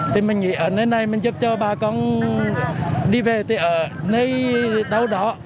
thì mình nghĩ ở nơi này mình giúp cho bà con đi về thì ở nơi đâu đó